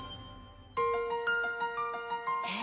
えっ！